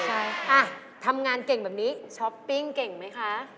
ใช่อ่ะทำงานเก่งแบบนี้ช้อปปิ้งเก่งไหมคะ